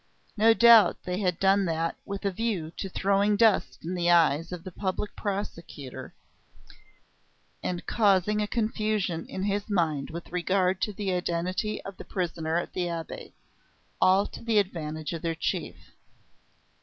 No doubt they had done that with a view to throwing dust in the eyes of the Public Prosecutor and causing a confusion in his mind with regard to the identity of the prisoner at the Abbaye, all to the advantage of their chief.